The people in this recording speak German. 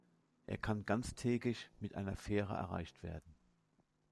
Er kann ganztägig mit einer Fähre erreicht werden.